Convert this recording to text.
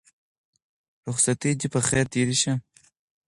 رخصتي دې په خير تېره شه.